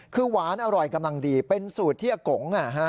คือหวานอร่อยกำลังดีเป็นสูตรที่อากง